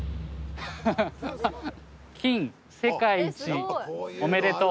「金世界一おめでとう」